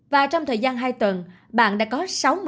và trong thời gian hai tuần bạn đã có sáu mươi